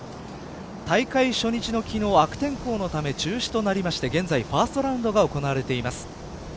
大会初日の昨日は悪天候のため中止となりまして現在、ファーストラウンドが行われています。